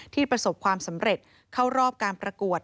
ประสบความสำเร็จเข้ารอบการประกวด